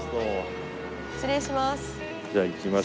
失礼します。